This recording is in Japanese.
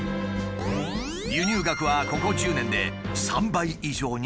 輸入額はここ１０年で３倍以上に増加した。